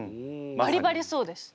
バリバリそうです。